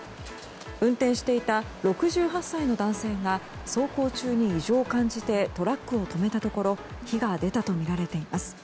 運転していた６８歳の男性が走行中に異常を感じてトラックを止めたところ火が出たとみられています。